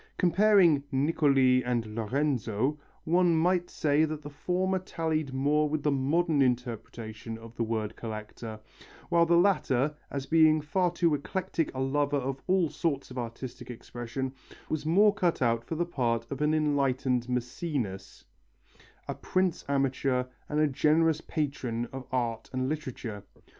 Comparing Niccoli and Lorenzo, one might say that the former tallied more with the modern interpretation of the word collector, while the latter, as being far too eclectic a lover of all sorts of artistic expression, was more cut out for the part of an enlightened Mæcenas, a prince amateur and a generous patron of art and literature.